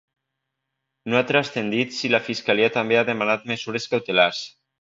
No ha transcendit si la fiscalia també ha demanat mesures cautelars.